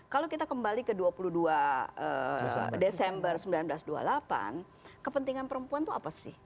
kalau kita kembali ke dua puluh dua desember seribu sembilan ratus dua puluh delapan kepentingan perempuan itu apa sih